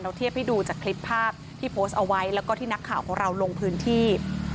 เทียบให้ดูจากคลิปภาพที่โพสต์เอาไว้แล้วก็ที่นักข่าวของเราลงพื้นที่